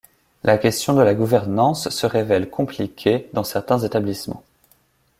La question de la gouvernance se révèle compliquée dans certains établissements.